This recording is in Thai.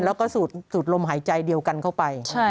แล้วก็สูดลมหายใจเดียวกันเข้าไป